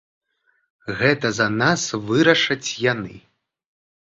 Гэта за нас вырашаць яны.